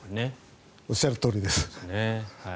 おっしゃるとおりです。